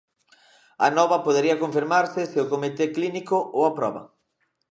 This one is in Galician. A nova podería confirmarse se o comité clínico o aproba.